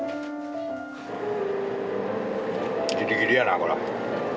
ギリギリやなこら。